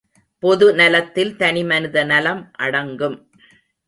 பொது நலத்தில் தனி மனித நலம் அடங்கும்.